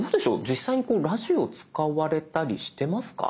実際にラジオを使われたりしてますか？